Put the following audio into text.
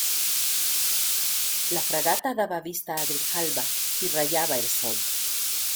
la fragata daba vista a Grijalba, y rayaba el sol.